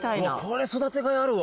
これ育てがいあるわ。